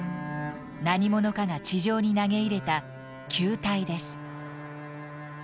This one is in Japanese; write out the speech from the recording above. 何者かが地上に投げ入れた球体です。